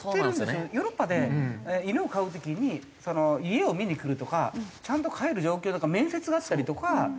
ヨーロッパで犬を飼う時に家を見に来るとかちゃんと飼える状況か面接があったりとか。